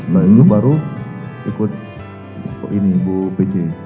nah itu baru ikut ini ibu peci